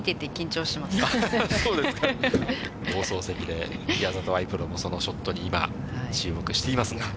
放送席で宮里藍プロもそのショットに今、注目していますが。